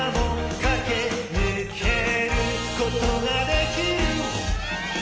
「駆け抜けることができる」